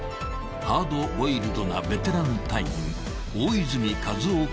ハードボイルドなベテラン隊員］